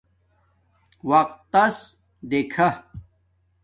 وقتس دیکھہ